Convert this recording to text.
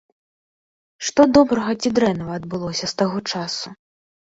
Што добрага ці дрэннага адбылося з таго часу?